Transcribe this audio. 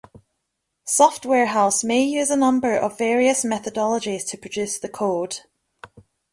Software house may use a number of various methodologies to produce the code.